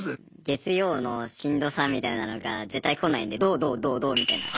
月曜のしんどさみたいなのが絶対来ないんで土・土・土・土みたいな。